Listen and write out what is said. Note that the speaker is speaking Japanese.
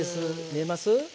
見えます？